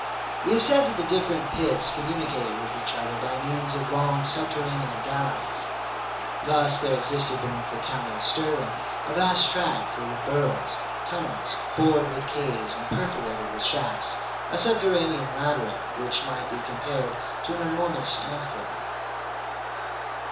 We have said that the different pits communicated with each other by means of long subterranean galleries. Thus there existed beneath the county of Stirling a vast tract, full of burrows, tunnels, bored with caves, and perforated with shafts, a subterranean labyrinth, which might be compared to an enormous ant hill.